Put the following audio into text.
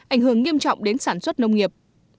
ảnh hưởng nghiêm trọng đến sản xuất nông nghiệp